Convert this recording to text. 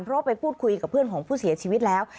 เพราะว่าไปพูดคุยกับเพื่อนของผู้เสียชีวิตแล้ว